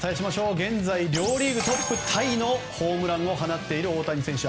現在両リーグトップタイのホームランを放っている大谷選手。